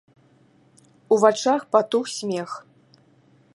У вачах патух смех.